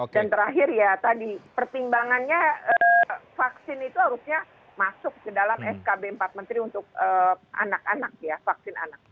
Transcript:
dan terakhir ya tadi pertimbangannya vaksin itu harusnya masuk ke dalam skb empat menteri untuk anak anak ya vaksin anak